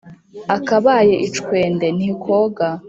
Akabaye icwenda ntikoga